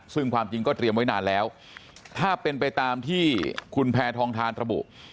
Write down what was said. ซึ่งความจริงก็เตรียมไว้นานแล้วถ้าเป็นไปตามที่คุณแพทองทานระบุ